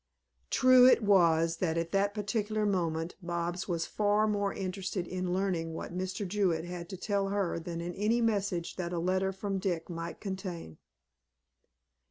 True it was that at that particular moment Bobs was far more interested in learning what Mr. Jewett had to tell her than in any message that a letter from Dick might contain.